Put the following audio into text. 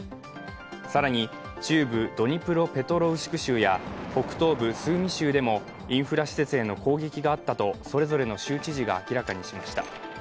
更に、中部ドニプロペトロウシク州や北東部スーミ州でも、インフラ施設への攻撃があったと、それぞれの州知事が明らかにしました。